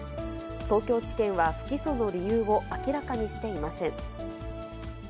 東京地検は不起訴の理由を明らかにしていません。